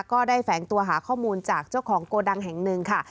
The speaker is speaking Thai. แฝงตัวหาข้อมูลจากเจ้าของโกดังแห่งหนึ่งค่ะ